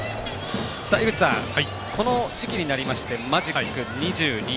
井口さん、この時期になってマジック２２。